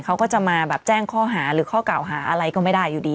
เขาก็จะมาแบบแจ้งข้อหาหรือข้อกล่าวหาอะไรก็ไม่ได้อยู่ดี